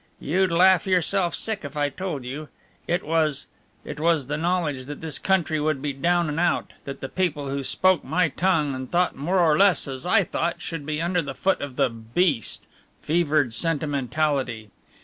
"You'd laugh yourself sick if I told you. It was it was the knowledge that this country would be down and out; that the people who spoke my tongue and thought more or less as I thought should be under the foot of the Beast fevered sentimentality!